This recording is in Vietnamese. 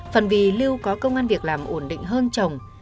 phần vì lưu có công an việc làm ổn định hơn chồng